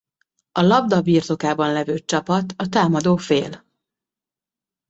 A labda birtokában levő csapat a támadó fél.